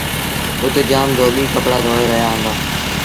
اُت جآم ڌوٻيٚ ڪپڙآ دوئي رهيآ هُݩدآ۔